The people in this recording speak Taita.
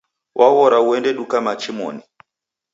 Waghora uenda duka machi moni